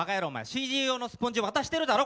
ＣＤ用のスポンジ渡してるだろ